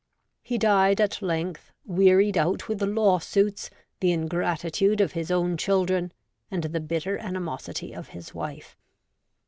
He died at length, wearied out with lawsuits, the ingratitude of his own chil dren, and the bitter animosity of his wife.